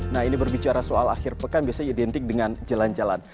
nah ini berbicara soal akhir pekan biasanya identik dengan jalan jalan